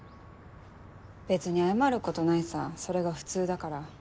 別に謝ることないさそれが普通だから。